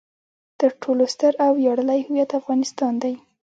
تر ټولو ستر او ویاړلی هویت افغانستان دی.